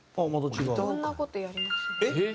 いろんな事やりますね。